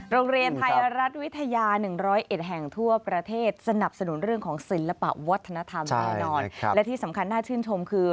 โรงเรียนไทยรัฐวิทยา๑๐๑แห่งทั่วประเทศสนับสนุนเรื่องของศิลปะวัฒนธรรมแน่นอนและที่สำคัญน่าชื่นชมคือ